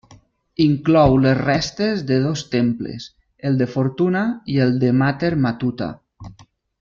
Inclou les restes de dos temples: el de Fortuna i el de Mater Matuta.